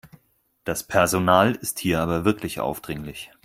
Das Personal ist hier aber wirklich aufdringlich.